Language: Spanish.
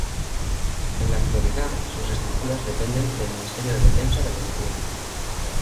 En la actualidad sus estructuras dependen del Ministerio de Defensa de Venezuela.